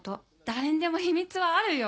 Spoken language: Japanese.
誰にでも秘密はあるよ。